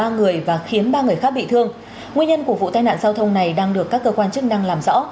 nguyên nhân của vụ tai nạn giao thông này đang được các cơ quan chức năng làm rõ